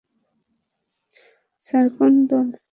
Sir, কোন দল?